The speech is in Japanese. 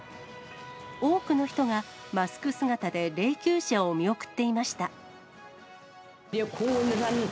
多くの人が、マスク姿で霊きゅう車を見送っていました。